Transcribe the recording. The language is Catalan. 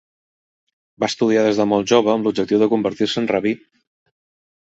Va estudiar des de molt jove amb l'objectiu de convertir-se en rabí.